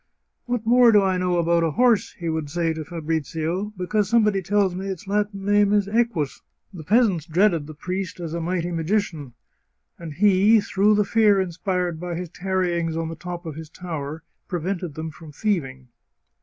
" What more do I know about a horse," he would say to Fabrizio, " because somebody tells me its Latin name is Equus ?" The peasants dreaded the priest as a mighty magician, and he, through the fear inspired by his tarryings on the top of his tower, prevented them from thieving.